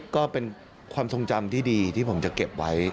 ก็เป็นความทรงจำที่ดีที่ผมจะเก็บไว้